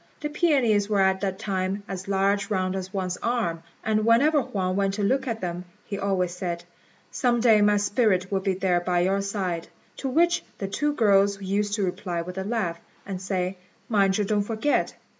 The peonies were at that time as large round as one's arm; and whenever Huang went to look at them, he always said, "Some day my spirit will be there by your side;" to which the two girls used to reply with a laugh, and say, "Mind you don't forget."